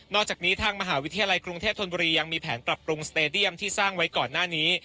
อกจากนี้ทางมหาวิทยาลัยกรุงเทพธนบุรียังมีแผนปรับปรุงสเตดียมที่สร้างไว้ก่อนหน้านี้